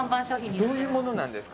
どういうものなんですか？